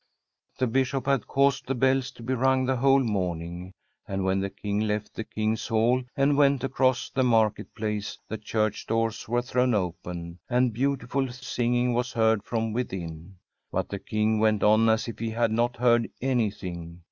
The Bishop had caused the bells to be rung the whole morning, and when the King left the King's Hall, and went across the Market Place, the church doors were thrown open, and beauti ful singing was heard from within. But the King went on as if he had not heard anything.